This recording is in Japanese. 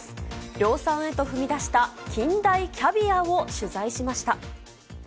量産へと踏み出した近大キャビアを取材しました。